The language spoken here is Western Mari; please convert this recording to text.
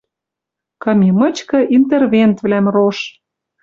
Кым и мычкы интервентвлӓм рош.